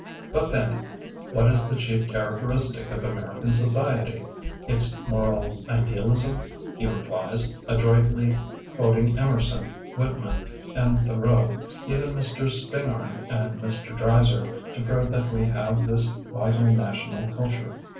But then, what is the chief char acteristic of American society? Its moral ''idealism", he replies, adroitly quoting Emerson, Whitman, and Tho reau, even Mr. Spingam and Mr. Dreiser, to prove that we have this vital national culture.